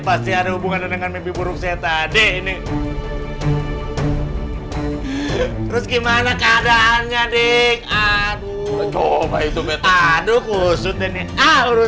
pasti ada hubungannya dengan mimpi buruk saya tadi ini terus gimana keadaannya di